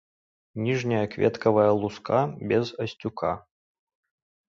Ніжняя кветкавая луска без асцюка.